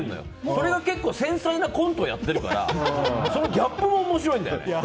それが結構繊細なコントをやってるからそのギャップも面白いんだよね。